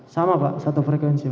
sama pak satu frekuensi